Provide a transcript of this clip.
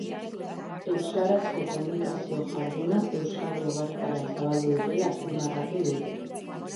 Euskarazko komunikazio jarduna euskarri ugaritara zabaldu dutela azpimarratu dute.